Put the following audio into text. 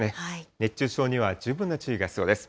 熱中症には十分な注意が必要です。